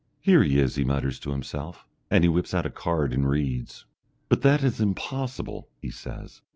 "Here he is!" he mutters to himself, and he whips out a card and reads. "But that is impossible!" he says....